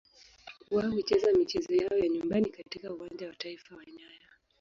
Wao hucheza michezo yao ya nyumbani katika Uwanja wa Taifa wa nyayo.